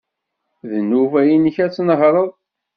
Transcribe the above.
D nnuba-nnek ad tnehṛeḍ.